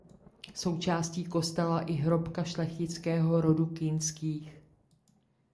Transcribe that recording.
Součástí kostela i hrobka šlechtického roku Kinských.